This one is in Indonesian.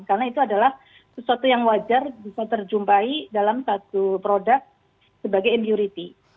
karena itu adalah sesuatu yang wajar bisa terjumpai dalam satu produk sebagai impurity